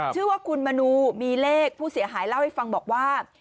ชื่อว่าคุณมนูมีเลขผู้เสียหายเล่าให้ฟังบอกว่า